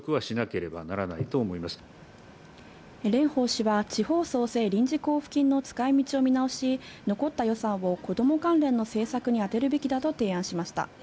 蓮舫氏は地方創生臨時交付金の使い道を見直し、残った予算を子供関連の政策にあてるべきだと提案しました。